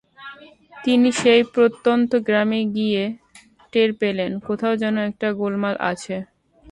তিনি সেই প্রত্যন্ত গ্রামে গিয়ে টের পেলেন, কোথাও যেন একটা গোলমাল আছে।